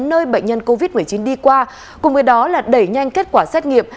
nơi bệnh nhân covid một mươi chín đi qua cùng với đó là đẩy nhanh kết quả xét nghiệm